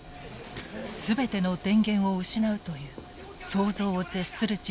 全ての電源を失うという想像を絶する事態。